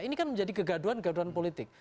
ini kan menjadi kegaduan kegaduan politik